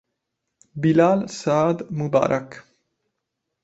Bilal Saad Mubarak